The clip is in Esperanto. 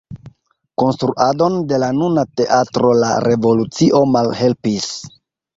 Konstruadon de la nuna teatro la revolucio malhelpis.